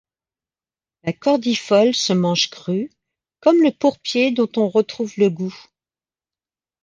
La cordifole se mange crue, comme le pourpier dont on retrouve le goût.